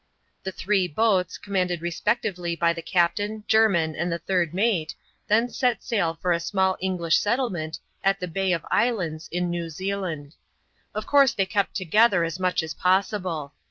The three boats, commanded respectively by the captain, Jermin, and the third mate, then set sail for a small English settlement at the Bay of Islands in New Zealand. Of course they kept together as much as possible.